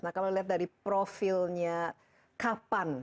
nah kalau lihat dari profilnya kapan